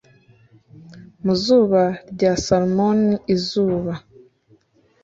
mu zuba rya salmon izuba,